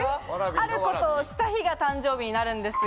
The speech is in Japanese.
あることをした日が誕生日になるんですが。